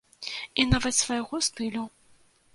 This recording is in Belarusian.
І нават свайго стылю.